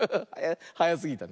はやすぎたね。